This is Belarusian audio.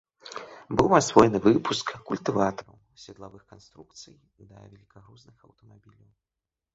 Быў асвоены выпуск культыватараў, седлавых канструкцый да велікагрузных аўтамабіляў.